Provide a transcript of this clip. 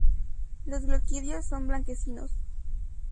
Los gloquidios son blanquecinos.